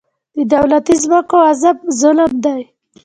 د دولتي ځمکو غصب ظلم دی.